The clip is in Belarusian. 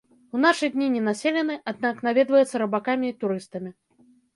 У нашы дні ненаселены, аднак наведваецца рыбакамі і турыстамі.